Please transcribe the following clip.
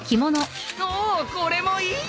おおこれもいい！